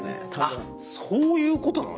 あっそういうことなの？